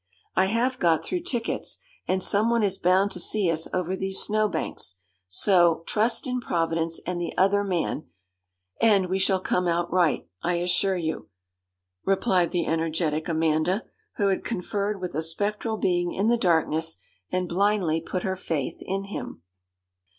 'I have got through tickets, and some one is bound to see us over these snow banks, so "trust in Providence and the other man," and we shall come out right, I assure you,' replied the energetic Amanda, who had conferred with a spectral being in the darkness, and blindly put her faith in him.